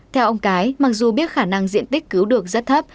theo ông cái mặc dù biết khả năng diện tích cứu được rất thấp